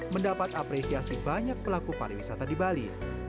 mendapat apresiasi banyak pelaku pariwisata di bali